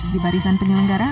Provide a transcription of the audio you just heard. di barisan penyelenggara